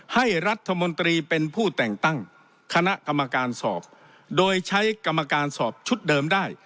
ให้รัฐมนตรีเป็นผู้แต่งตั้งคณะกรรมการสอบโดยใช้กรรมการสอบชุดเดิมได้